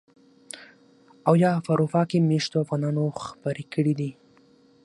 او يا په اروپا کې مېشتو افغانانو خپرې کړي دي.